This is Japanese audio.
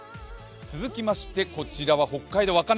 続きましてこちらは北海道稚内